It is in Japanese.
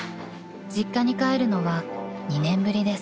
［実家に帰るのは２年ぶりです］